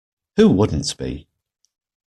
Who wouldn't be?